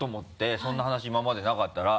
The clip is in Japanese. そんな話いままでなかったら。